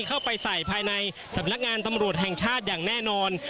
เข้าไปใส่ภายในสำนักงานตำรวจแห่งชาติอย่างแน่นอน